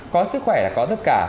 có sức khỏe là có tất cả